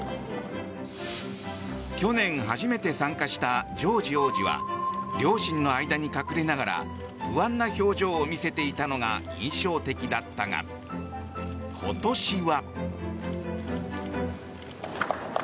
去年、初めて参加したジョージ王子は両親の間に隠れながら不安な表情を見せていたのが印象的だったが、今年は。